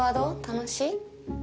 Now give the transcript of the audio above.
楽しい？